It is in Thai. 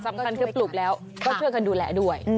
สำคัญคือปลูกแล้วก็ช่วยกันดูแลด้วย